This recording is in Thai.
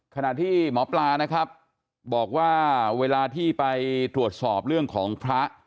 ขณะที่หมอปลานะครับบอกว่าเวลาที่ไปตรวจสอบเรื่องของพระ